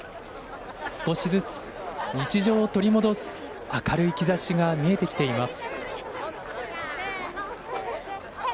少しずつ、日常を取り戻す明るい兆しが見えてきています。